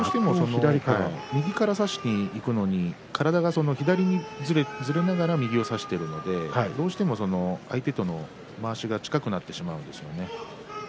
右から差しにいくのに体が左にずれながら右を差しにいくので相手とのまわしが近くなってしまうんですね。